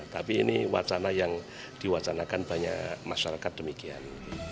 tapi ini wacana yang diwacanakan banyak masyarakat demikian